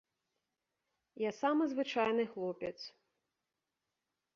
Я самы звычайны хлопец.